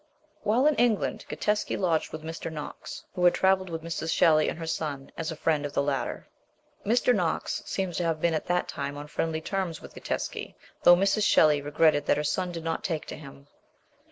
While in England Gatteschi lodged with Mr. Knox, who had travelled with Mrs. Shelley and her son, as a friend of the latter. Mr. Knox seems to have been at that time on friendly terras with Gatteschi, though Mrs. Shelley regretted that her son did not take to him.